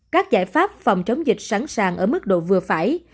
các giải pháp phòng chống dịch sẵn sàng ở mức độ vừa phải